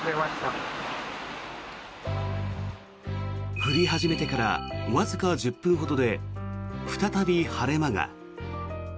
降り始めてからわずか１０分ほどで再び晴れ間が。